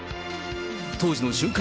当時の瞬間